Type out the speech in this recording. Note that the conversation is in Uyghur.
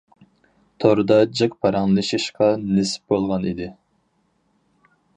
توردا جىق پاراڭلىشىشقا نېسىپ بولغان ئىدى.